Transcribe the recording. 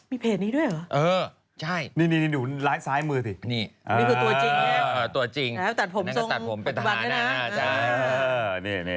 มีเพจนี้ด้วยเหรอนี่ดูซ้ายมือสินี่คือตัวจริงตัดผมเป็นทหารนะ